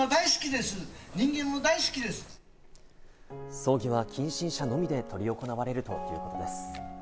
葬儀は近親者のみで執り行われるということです。